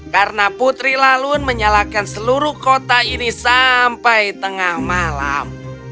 karena putri lalun menyalakan seluruh kota ini sampai tengah malam